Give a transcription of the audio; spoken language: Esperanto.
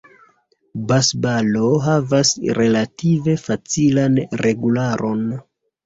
Basbalo havas relative facilan regularon.